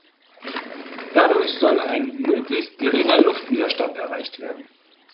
Dadurch soll ein möglichst geringer Luftwiderstand erreicht werden.